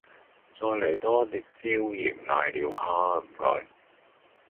再黎多一碟椒鹽瀨尿蝦吖唔該